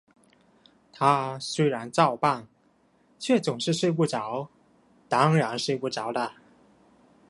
他虽然照样办，却总是睡不着，当然睡不着的